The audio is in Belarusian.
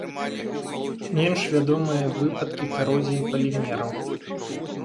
Менш вядомыя выпадкі карозіі палімераў.